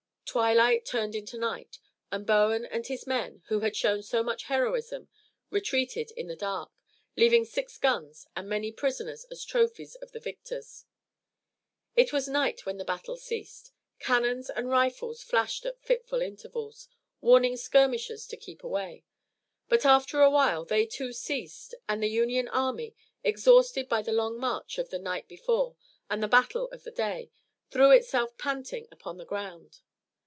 Twilight turned into night and Bowen and his men, who had shown so much heroism, retreated in the dark, leaving six guns and many prisoners as trophies of the victors. It was night when the battle ceased. Cannon and rifles flashed at fitful intervals, warning skirmishers to keep away, but after a while they too ceased and the Union army, exhausted by the long march of the night before and the battle of the day, threw itself panting upon the ground.